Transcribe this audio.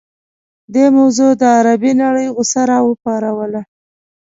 دې موضوع د عربي نړۍ غوسه راوپاروله.